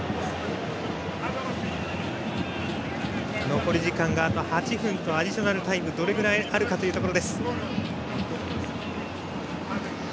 残り時間があと８分とアディショナルタイムがどれくらいあるかというところ。